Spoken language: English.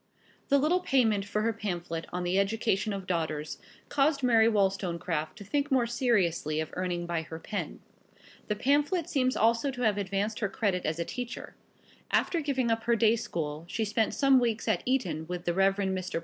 The little payment for her pamphlet on the "Education of Daughters" caused Mary Wollstonecraft to think more seriously of earning by her pen. The pamphlet seems also to have advanced her credit as a teacher. After giving up her day school, she spent some weeks at Eton with the Rev. Mr.